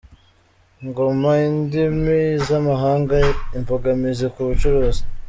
Ngoma Indimi z’amahanga, imbogamizi ku bucuruzi